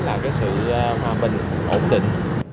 là một cái sự hòa bình ổn định